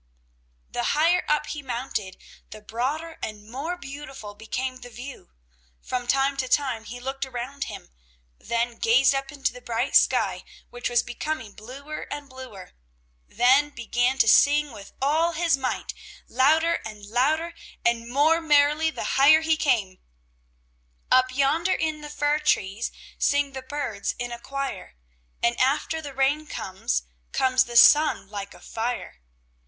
The higher up he mounted, the broader and more beautiful became the view. From time to time he looked around him, then gazed up into the bright sky, which was becoming bluer and bluer, then began to sing with all his might, louder and louder and more merrily the higher he came: "Up yonder in the fir trees, Sing the birds in a choir, And after the rain comes, Comes the sun like a fire.